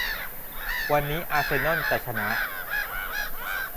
วันนี้อาร์เซนอลจะชนะ